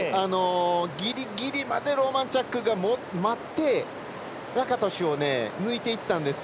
ギリギリまでローマンチャックが待ってラカトシュを抜いていったんです。